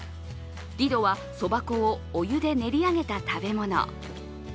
ディドは、そば粉をお湯で練り上げた食べ物。